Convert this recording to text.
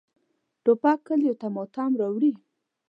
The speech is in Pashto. توپک کلیو ته ماتم راوړي.